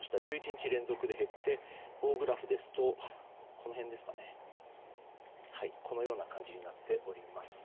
１１日連続で減って棒グラフですとこのような感じになっております。